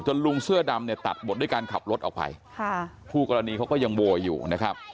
ลุงเสื้อดำเนี่ยตัดบทด้วยการขับรถออกไปค่ะคู่กรณีเขาก็ยังโวยอยู่นะครับ